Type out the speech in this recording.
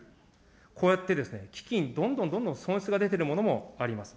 こうやってですね、基金、どんどんどんどん損失が出てるものもあります。